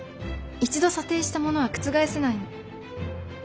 一度査定したものは覆せないの。